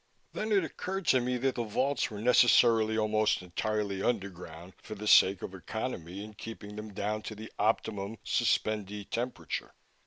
Then it occurred to me that the vaults were necessarily almost entirely underground, for the sake of economy in keeping them down to the optimum suspendee temperature.